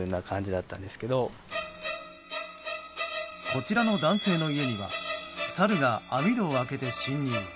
こちらの男性の家にはサルが網戸を開けて侵入。